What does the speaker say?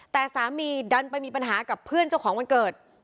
แต่สามีดันไปมีปัญหากับเพื่อนเจ้าของวันเกิด